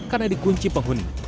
karena dikunci penghuni